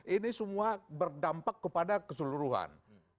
ini semua berdampak kepada keseluruhan